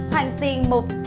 hoàn tiền một trăm linh